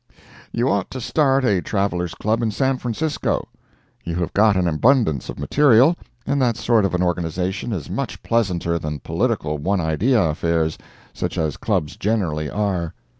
You ought to start a Travellers' Club in San Francisco. You have got an abundance of material, and that sort of an organization is much pleasanter than political one idea affairs, such as clubs generally are.